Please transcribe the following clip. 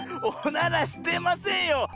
おならしてませんよ。